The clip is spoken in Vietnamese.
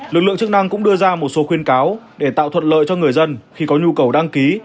lực lượng chức năng cũng đưa ra một số khuyên cáo để tạo thuận lợi cho người dân khi có nhu cầu đăng ký